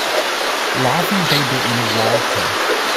A laughing baby in a walker.